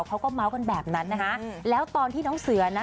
เขาก็เมาส์กันแบบนั้นนะคะแล้วตอนที่น้องเสือนะ